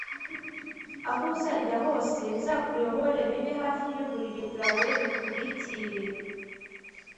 aho uzajya hose bizakuyobore, bibe hafi y'uburiri bwawe bikubikire